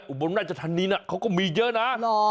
อุบรน่าจะทันนี้นะเขาก็มีเยอะนะ